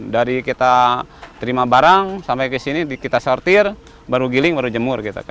dari kita terima barang sampai ke sini kita sortir baru giling baru jemur